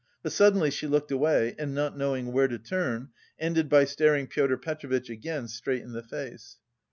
But suddenly she looked away and, not knowing where to turn, ended by staring Pyotr Petrovitch again straight in the face.